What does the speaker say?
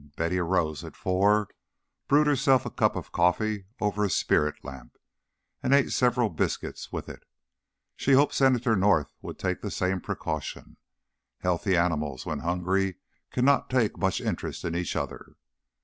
Betty arose at four, brewed herself a cup of coffee over a spirit lamp, and ate several biscuit with it. She hoped Senator North would take the same precaution. Healthy animals when hungry cannot take much interest in each other.